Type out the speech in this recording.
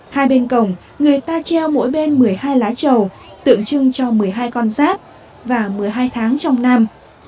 hai bên cổng người ta treo mỗi bên một mươi hai lá trầu tượng trưng cho một mươi hai con giáp và một mươi hai tháng trong năm